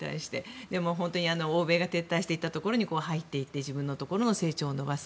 本当に欧米が撤退していったところに入っていって自分のところの成長を伸ばす。